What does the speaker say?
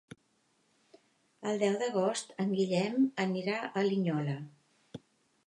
El deu d'agost en Guillem anirà a Linyola.